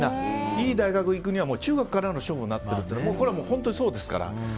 いい大学に行くには中学からの勝負になってるこれは本当にそうですから。